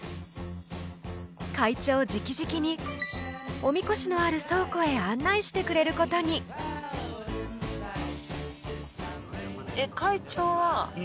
会長直々にお神輿のある倉庫へ案内してくれることに会長は伊勢エビ。